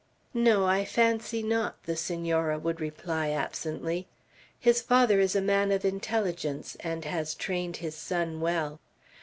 "No, I fancy not," the Senora would reply, absently. "His father is a man of intelligence, and has trained his son well."